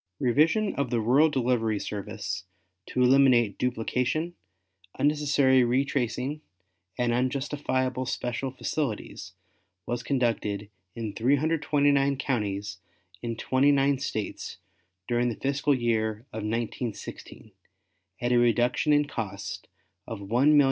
Revision of the rural delivery service to eliminate duplication, unnecessary retracing and unjustifiable special facilities was conducted in 329 counties in twenty nine States during the fiscal year of 1916, at a reduction in cost of $1,359,162.